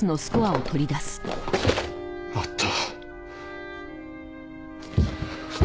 あった。